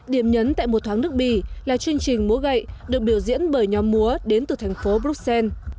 điểm nhấn tại một thoáng nước bỉ là chương trình múa gậy được biểu diễn bởi nhóm múa đến từ thành phố bruxelles